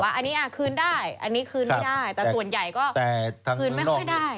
อันนี้คืนได้อันนี้คืนไม่ได้แต่ส่วนใหญ่ก็คืนไม่ค่อยได้